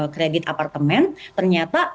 kredit apartemen ternyata